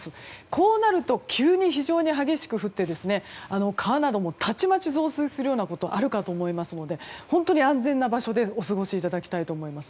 こうなると急に非常に激しく降って川などもたちまち増水するようなことあるかと思いますので本当に安全な場所でお過ごしいただきたいです。